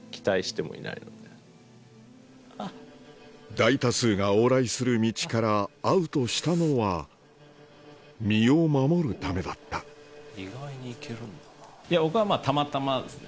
大多数が往来する道からアウトしたのは身を守るためだった僕はまぁたまたまですね。